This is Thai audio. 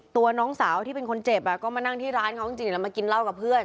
ตัวน้องสาวที่เป็นคนเจ็บก็มานั่งที่ร้านเขาจริงแล้วมากินเหล้ากับเพื่อน